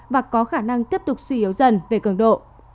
và có khả năng tiếp tục suy yếu dần về cường độ